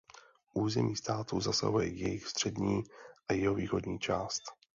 Území státu zasahuje jejich střední a jihovýchodní část.